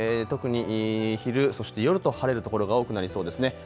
特に昼、そして夜と晴れる所が多くなりそうですね。